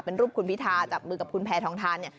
เป็นรูปคุณพิธาจับมือกับคุณแพทองทานเนี่ย